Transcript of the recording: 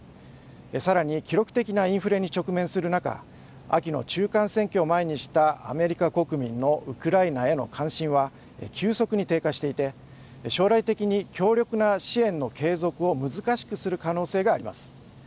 さらに、記録的なインフレに直面する中秋の中間選挙を前にしたアメリカ国民のウクライナへの関心は急速に低下していて将来的に協力的な支援の継続を難しくする可能性があります。